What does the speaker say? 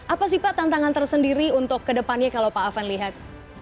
apa sih pak tantangan tersendiri untuk kedepannya kalau pak afan lihat